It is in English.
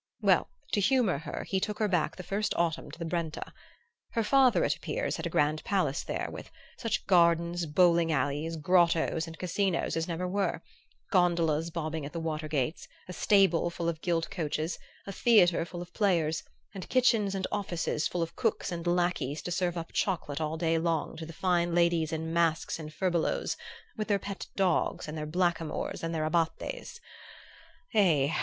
Well, to humor her he took her back the first autumn to the Brenta. Her father, it appears, had a grand palace there, with such gardens, bowling alleys, grottoes and casinos as never were; gondolas bobbing at the water gates, a stable full of gilt coaches, a theatre full of players, and kitchens and offices full of cooks and lackeys to serve up chocolate all day long to the fine ladies in masks and furbelows, with their pet dogs and their blackamoors and their abates. Eh!